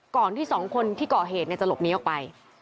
ที่สองคนที่ก่อเหตุจะหลบหนีออกไป